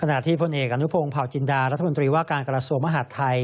อันนุพงศ์ผ่าวจินดารัฐมนตรีว่าการกราศวงศ์มหาดไทย